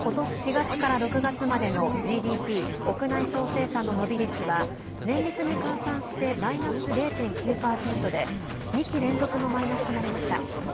４月から６月までのＧＤＰ＝国内総生産の伸び率は年率に換算してマイナス０．９％で２期連続のマイナスとなりました。